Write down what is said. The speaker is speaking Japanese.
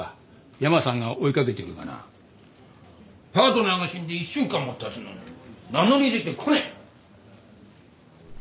山さんが追いかけてるがなパートナーが死んで１週間も経つのに名乗り出てこない。